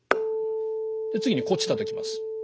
次にこっちたたきます。